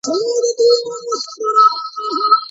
تاریک ټولګی د ستړیا لامل کیږي.